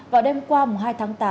vào đêm qua hai tháng tám